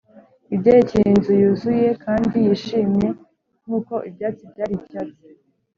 ibyerekeye inzu yuzuye kandi yishimye nkuko ibyatsi byari icyatsi,